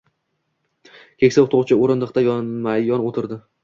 Keksa oʻqituvchi oʻrindiqda yonma-yon oʻtirdi.